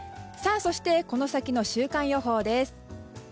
そして、この先の週間予報です。